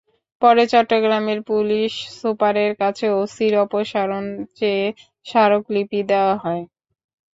পরে চট্টগ্রামের পুলিশ সুপারের কাছে ওসির অপসারণ চেয়ে স্মারকলিপি দেওয়া হয়।